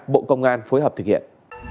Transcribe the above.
bộ công an phối hợp thực hiện